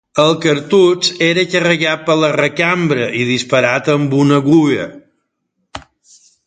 El cartutx era carregat per la recambra i disparat amb una agulla.